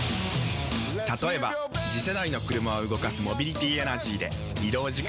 例えば次世代の車を動かすモビリティエナジーでまジカ⁉人間！